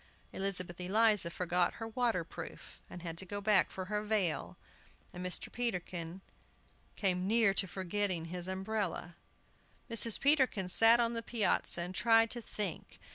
Elizabeth Eliza forgot her water proof, and had to go back for her veil, and Mr. Peterkin came near forgetting his umbrella. Mrs. Peterkin sat on the piazza and tried to think.